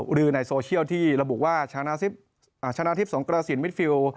หรือในโซเชียลที่ระบุว่าชนะทิพย์สงกระสินมิดฟิล